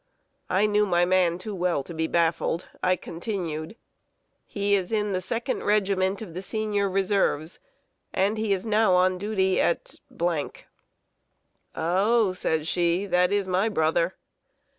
I knew my man too well to be baffled. I continued: "He is in the second regiment of the Senior Reserves; and is now on duty at ." "Oh," said she, "that is my brother!"